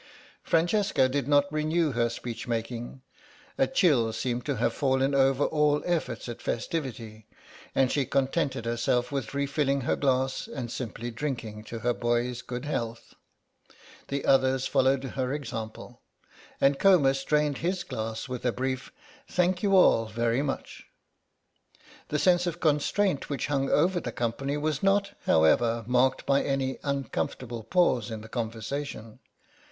Francesca did not renew her speech making; a chill seemed to have fallen over all efforts at festivity, and she contented herself with refilling her glass and simply drinking to her boy's good health. The others followed her example, and Comus drained his glass with a brief "thank you all very much." The sense of constraint which hung over the company was not, however, marked by any uncomfortable pause in the conversation.